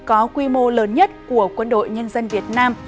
có quy mô lớn nhất của quân đội nhân dân việt nam